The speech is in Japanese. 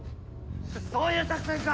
そういう作戦か！